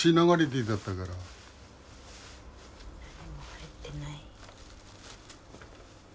何も入ってない。